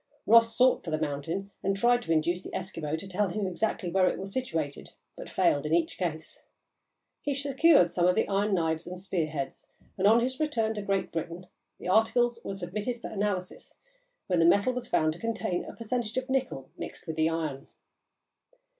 Ross sought for the mountain, and tried to induce the Eskimo to tell him exactly where it was situated, but failed in each case. He secured some of the iron knives and spear heads, and, on his return to Great Britain, the articles were submitted to analysis, when the metal was found to contain a percentage of nickel mixed with the iron.